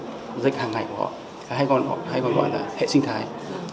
hành trình hàng ngày của họ hay còn gọi là hệ sinh thái